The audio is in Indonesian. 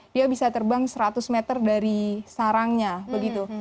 dia bisa terbang seratus meter dari sarangnya begitu